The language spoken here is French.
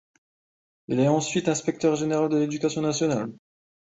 Il est ensuite inspecteur général de l'Éducation nationale.